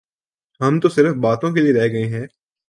ہم تو صرف باتوں کیلئے رہ گئے ہیں۔